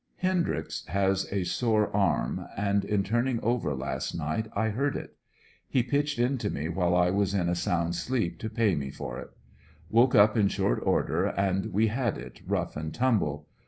Ilendryx has a sore arm and in turn ing over last night I hurt it He pitched in to me while I was in a sound sleep to pay me for it. Woke up in short order and we had it, rough and tumble.